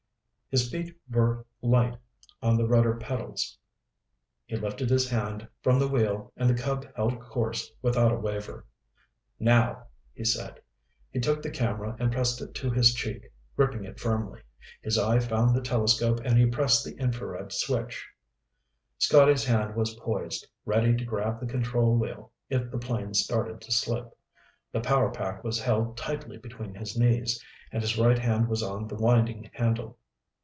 His feet were light on the rudder pedals. He lifted his hand from the wheel and the Cub held course without a waver. "Now," he said. He took the camera and pressed it to his cheek, gripping it firmly. His eye found the telescope and he pressed the infrared switch. Scotty's hand was poised, ready to grab the control wheel if the plane started to slip. The power pack was held tightly between his knees, and his right hand was on the winding handle.